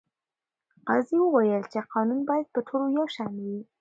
قاضي وویل چې قانون باید په ټولو یو شان وي.